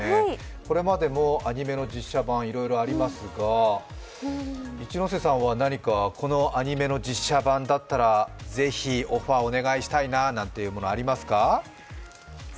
これまでもアニメの実写版、いろいろいありますが、一ノ瀬さんはこのアニメの実写版だったらぜひ、オフォーをお願いしたいというものはありますか？